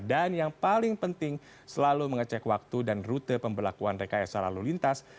dan yang paling penting selalu mengecek waktu dan rute pembelakuan rekayasa lalu lintas